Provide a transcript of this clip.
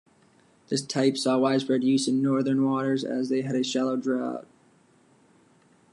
This type saw widespread use in northern waters, as they had a shallow draught.